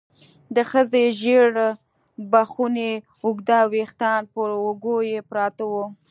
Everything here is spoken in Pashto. د ښځې ژېړ بخوني اوږده ويښتان پر اوږو يې پراته وو.